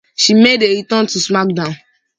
She made a return to SmackDown!